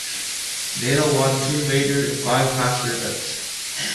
Nadal won two Majors and five Masters events.